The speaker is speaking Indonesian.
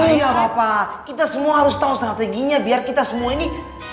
iya apa kita semua harus tahu strateginya biar kita semua ini